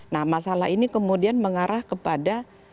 nah masalah ini kemudian mengarah kepada